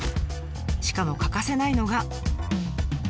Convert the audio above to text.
しかも欠かせないのが。